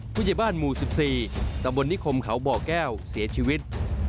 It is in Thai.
ผู้ใหญ่บ้านหมู่๑๔ตำบลนิคมเขาบ่อแก้วเสียชีวิต